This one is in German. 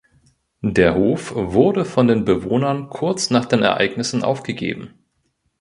Der Hof wurde von den Bewohnern kurz nach den Ereignissen aufgegeben.